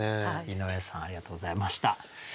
井上さんありがとうございました。